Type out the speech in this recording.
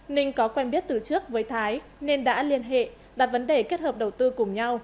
ninh có quen biết từ trước với thái nên đã liên hệ đặt vấn đề kết hợp đầu tư cùng nhau